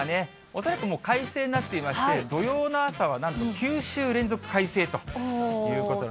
恐らくもう快晴になっていまして、土曜の朝はなんと９週連続快晴ということで。